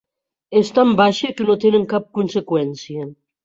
És tan baixa que no tenen cap conseqüència.